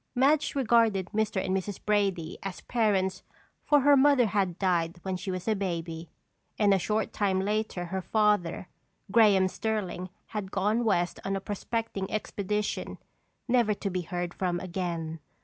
Madge regarded Mr. and Mrs. Brady as parents for her mother had died when she was a baby and a short time later, her father, Graham Sterling had gone West on a prospecting expedition, never to be heard from again.